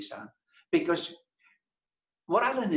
apa yang saya pelajari adalah ini